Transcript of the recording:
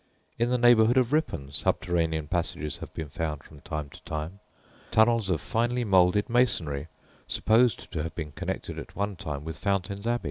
In the neighbourhood of Ripon subterranean passages have been found from time to time tunnels of finely moulded masonry supposed to have been connected at one time with Fountains Abbey.